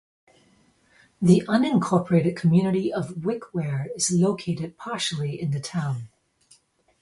The unincorporated community of Wickware is located partially in the town.